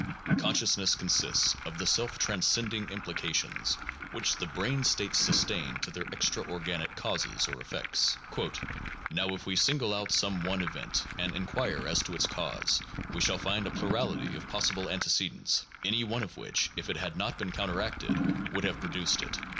Consciousness consists of the self transcending implications which the brain states sustain to their extra organic causes (or effects). '' Now if we single out some one event and inquire as to its cause, we shall find a plurality of possible antecedents, any one of which if it had not been counteracted would have produced it.